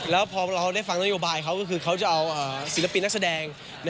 แล้วพอเราได้ฟังนโยบายเขาก็คือเขาจะเอาศิลปินนักแสดง